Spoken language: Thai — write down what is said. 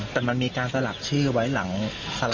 แต่มันมีการสลักชื่อไว้หลังสลาก